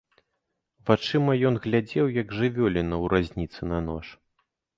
Вачыма ён глядзеў, як жывёліна ў разніцы на нож.